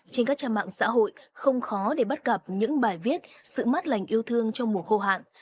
trên các trang mạng xã hội không khó để bắt gặp những bài viết sự mát lành yêu thương trong mùa khô hạn